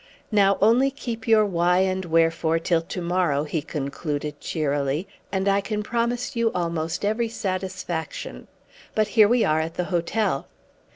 Now, only keep your why and wherefore till to morrow," he concluded cheerily, "and I can promise you almost every satisfaction. But here we are at the hotel."